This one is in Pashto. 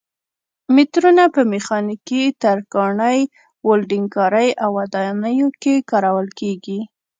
مترونه په میخانیکي، ترکاڼۍ، ولډنګ کارۍ او ودانیو کې کارول کېږي.